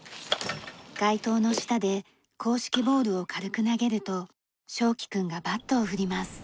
街灯の下で硬式ボールを軽く投げると翔生くんがバットを振ります。